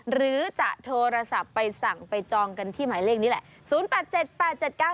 หรือจะโทรศัพท์ไปสั่งไปจองกันที่หมายเลขนี้แหละ